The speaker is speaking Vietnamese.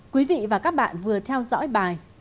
quý vị và các bạn vừa theo dõi bài